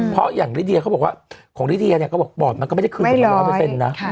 เพราะอย่างลิเดียเขาบอกว่าของลิเดียเนี่ยเขาบอกปอดมันก็ไม่ได้คืนคนละ๑๐๐นะ